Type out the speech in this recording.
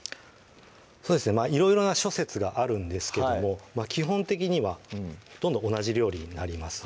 そうですねいろいろな諸説があるんですけども基本的にはほとんど同じ料理になります